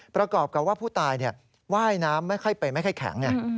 ประกอบกับว่าผู้ตายว่ายน้ำไม่ค่อยเป็นไม่ค่อยแข็งไง